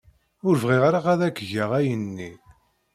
Ur bɣiɣ ara ad ak-geɣ ayen-nni.